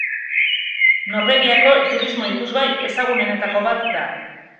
Norvegiako turismo-ikusgai ezagunenetako bat da.